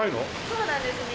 そうなんですね。